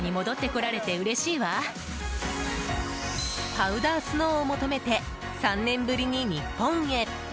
パウダースノーを求めて３年ぶりに日本へ。